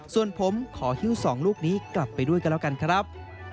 ส่วนผมขอหิ้ว๒ลูกนี้กลับไปด้วยกันแล้วกันครับ